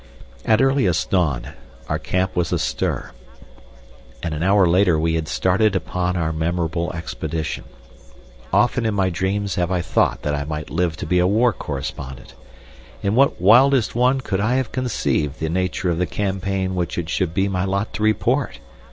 At earliest dawn our camp was astir and an hour later we had started upon our memorable expedition. Often in my dreams have I thought that I might live to be a war correspondent. In what wildest one could I have conceived the nature of the campaign which it should be my lot to report!